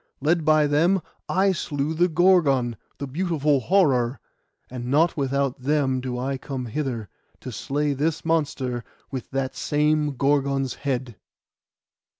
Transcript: Led by them, I slew the Gorgon, the beautiful horror; and not without them do I come hither, to slay this monster with that same Gorgon's head.